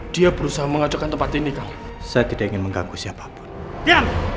dia berusaha mengajakkan tempat ini saya tidak ingin mengganggu siapa pun